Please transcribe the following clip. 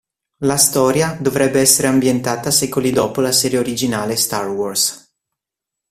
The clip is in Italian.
La storia dovrebbe essere ambientata secoli dopo la serie originale "Star Wars".